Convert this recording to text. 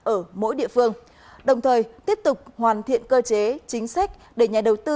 ở mỗi địa phương đồng thời tiếp tục hoàn thiện cơ chế chính sách để nhà đầu tư